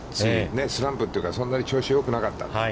スランプ、そんなに調子よくなかった。